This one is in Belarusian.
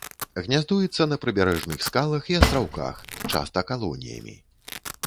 Гняздуецца на прыбярэжных скалах і астраўках, часта калоніямі.